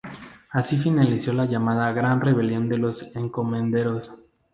Así finalizó la llamada Gran Rebelión de los Encomenderos.